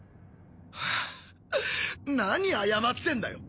はぁ何謝ってんだよ。